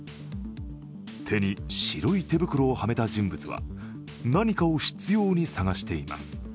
手に白い手袋をはめた人物は何かを執ように探しています。